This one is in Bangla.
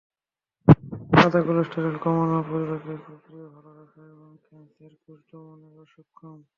আদা কোলেস্টরেল কমানো, পরিপাকের প্রক্রিয়া ভালো রাখা এবং ক্যানসার কোষ দমনে সক্ষম।